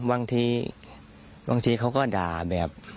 บางทีบางทีเขาก็ด่าแบบ